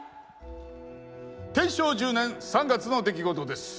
天正１０年３月の出来事です。